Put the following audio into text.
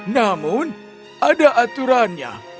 namun ada aturannya